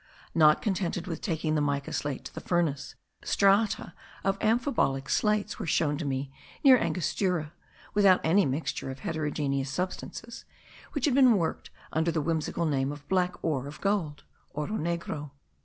Not contented with taking the mica slate to the furnace, strata of amphibolic slates were shown to me near Angostura, without any mixture of heterogeneous substances, which had been worked under the whimsical name of black ore of gold (oro negro).